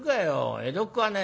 江戸っ子はね